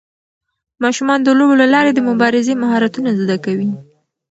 ماشومان د لوبو له لارې د مبارزې مهارتونه زده کوي.